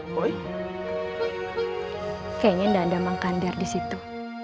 kayaknya udah ada mangkander disitu